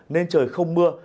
nên trời không mưa